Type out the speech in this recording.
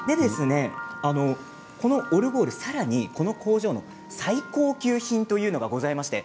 このオルゴール、さらにこの工場の最高級品というのがございます。